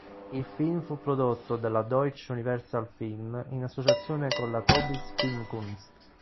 Il film fu prodotto dalla Deutsche Universal-Film in associazione con la Tobis Filmkunst.